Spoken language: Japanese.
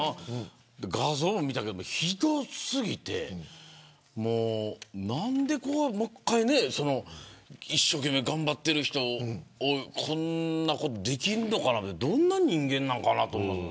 画像も見たけど、ひど過ぎて何で一生懸命頑張ってる人をこんなことできるのかなってどんな人間なんかなと。